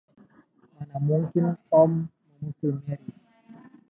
Mana mungkin Tom memukul Mary.